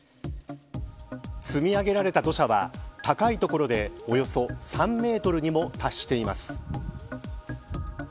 積み上げられた土砂は高い所で、およそ３メートルにも達しています。